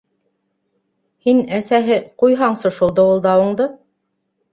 — Һин, әсәһе, ҡуйһаңсы шул дыуылдауыңды.